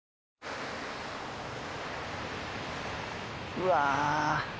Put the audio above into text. うわ！